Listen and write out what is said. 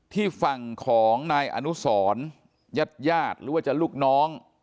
ที่ฝั่งของนายอนุสรยาดหรือว่าจะลูกน้อง